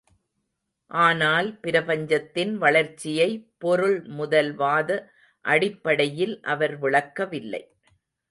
ஆனால் பிரபஞ்சத்தின் வளர்ச்சியை பொருள்முதல்வாத அடிப்படையில் அவர் விளக்கவில்லை.